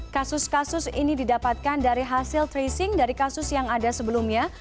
kasus kasus ini didapatkan dari hasil tracing dari kasus yang ada sebelumnya